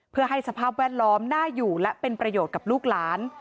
เพื่อให้สภาพแวดล้อมน่าอยู่และเป็นประโยชน์กับลูกหลาน